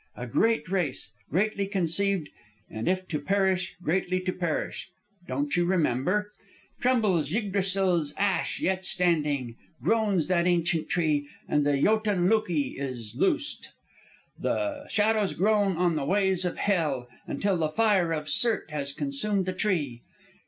A great race, greatly conceived; and if to perish, greatly to perish! Don't you remember: "'_Trembles Yggdrasil's ash yet standing; groans that ancient tree, and the Jotun Loki is loosed. The shadows groan on the ways of Hel, until the fire of Surt has consumed the tree.